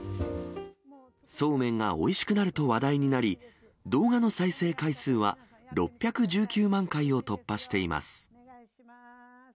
そうめんがおいしくなると話題になり、動画の再生回数は６１９万回を突破しています。